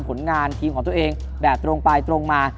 ผลงานทีมของตัวเองแบบตรงไปตรงมา